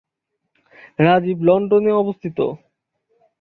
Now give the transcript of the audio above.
রাজীব লন্ডনে অবস্থিত।